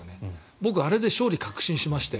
僕あれで勝利を確信しましたよ。